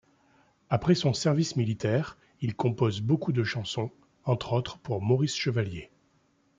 Après son service militaire, il compose beaucoup de chansons, entre autres pour Maurice Chevalier.